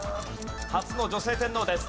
初の女性天皇です。